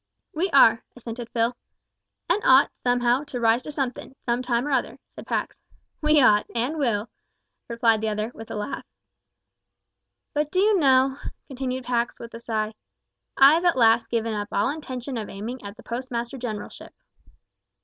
"We are," assented Phil. "And ought, somehow, to rise to somethin', some time or other," said Pax. "We ought and will," replied the other, with a laugh. "But do you know," continued Pax, with a sigh, "I've at last given up all intention of aiming at the Postmaster Generalship."